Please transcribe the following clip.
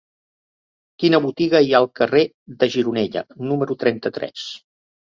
Quina botiga hi ha al carrer de Gironella número trenta-tres?